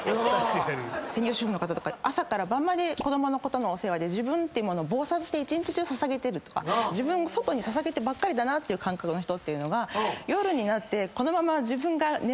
専業主婦の方とか朝から晩まで子供のお世話で自分ってものを忙殺して一日中捧げてるとか自分を外に捧げてばっかりだなっていう感覚の人っていうのが夜になって。